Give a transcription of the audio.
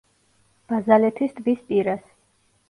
ბაზალეთის ტბის პირას.